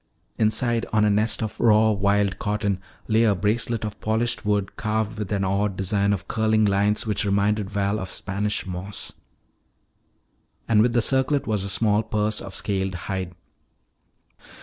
Inside on a nest of raw wild cotton lay a bracelet of polished wood carved with an odd design of curling lines which reminded Val of Spanish moss. And with the circlet was a small purse of scaled hide.